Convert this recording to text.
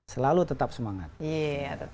selalu tetap semangat